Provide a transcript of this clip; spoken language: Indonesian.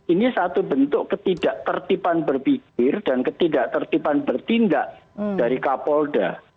ini satu bentuk ketidak tertipan berpikir dan ketidak tertipan bertindak dari kapolda